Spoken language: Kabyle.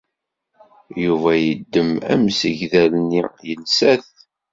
Yuba yeddem amsegdal-nni, yelsa-t.